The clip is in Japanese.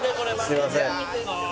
すいません。